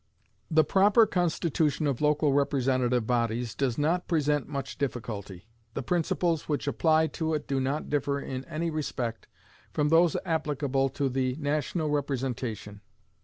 The proper constitution of local representative bodies does not present much difficulty. The principles which apply to it do not differ in any respect from those applicable to the national representation.